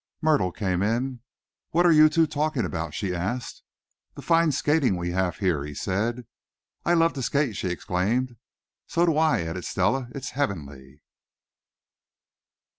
Myrtle came in. "What are you two talking about?" she asked. "The fine skating we have here," he said. "I love to skate," she exclaimed. "So do I," added Stella. "It's heavenly."